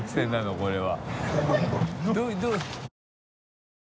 これは。